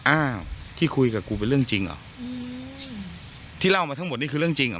อ้าวที่คุยกับกูเป็นเรื่องจริงเหรอที่เล่ามาทั้งหมดนี่คือเรื่องจริงเหรอ